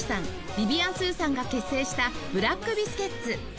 ビビアン・スーさんが結成したブラック・ビスケッツ